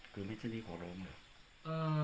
คือไม่ใช่นี่ขอร้องเหรอ